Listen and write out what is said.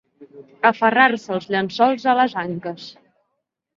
Aferrar-se els llençols a les anques.